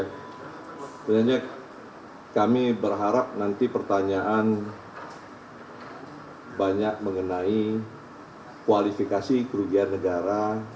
sebenarnya kami berharap nanti pertanyaan banyak mengenai kualifikasi kerugian negara